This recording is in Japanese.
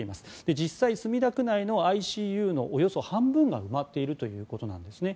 実際、墨田区内のＩＣＵのおよそ半分が埋まっているということです。